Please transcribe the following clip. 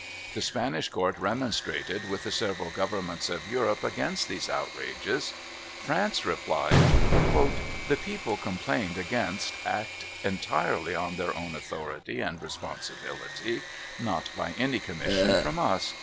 The Spanish Court remonstrated with the several Governments of Europe against these outrages. France replied: "The people complained against act entirely on their own authority and responsibility, not by any commission from us.